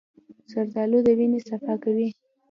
زردالو د وینې صفا کوي.